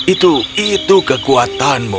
itu itu kekuatanmu